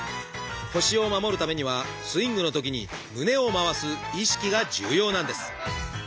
腰を守るためにはスイングのときに胸を回す意識が重要なんです！